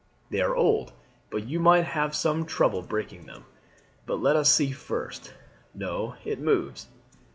They are old, but you might have some trouble in breaking them. But let us see first. No, it moves.